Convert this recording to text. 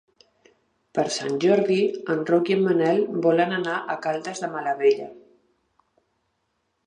Per Sant Jordi en Roc i en Manel volen anar a Caldes de Malavella.